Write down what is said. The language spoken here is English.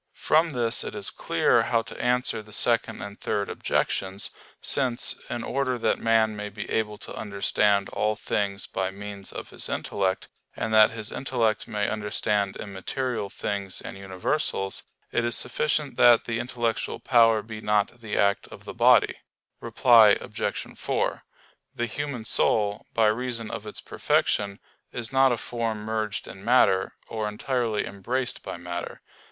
From this it is clear how to answer the Second and Third objections: since, in order that man may be able to understand all things by means of his intellect, and that his intellect may understand immaterial things and universals, it is sufficient that the intellectual power be not the act of the body. Reply Obj. 4: The human soul, by reason of its perfection, is not a form merged in matter, or entirely embraced by matter.